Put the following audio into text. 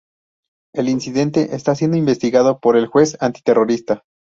El incidente está siendo investigado por el juez antiterrorista.